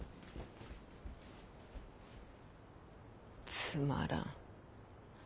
つまらん。